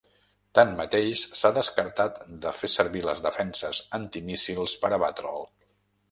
Tanmateix, s’ha descartat de fer servir les defenses antimíssils per abatre’l.